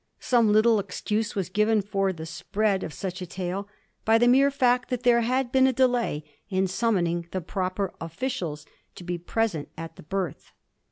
Some little excuse was given for the spread of such a tale by the mere fact that there had been delay in summon ing the proper officials to be present at the birth.